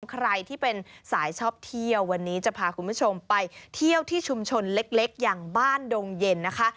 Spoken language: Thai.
ใครที่เป็นสายชอบเที่ยววันนี้จะพาคุณผู้ชมไปเที่ยวที่ชุมชนเล็กอย่างบ้านดงเย็นนะคะ